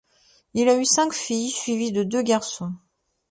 Il a eu cinq filles, suivies de deux garçons.